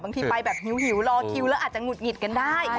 บางทีไปแบบหิวรอคิวแล้วอาจจะหงุดหงิดกันได้